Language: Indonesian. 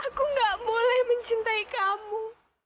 aku gak boleh mencintai kamu